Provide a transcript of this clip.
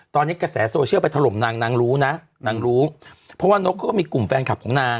ตอนนี้กระแสโซเชียลไปถล่มนางนางรู้นะนางรู้เพราะว่านกเขาก็มีกลุ่มแฟนคลับของนาง